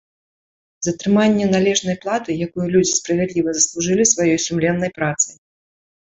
Затрыманне належнай платы, якую людзі справядліва заслужылі сваёй сумленнай працай.